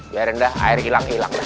biarin dah air hilang hilang dah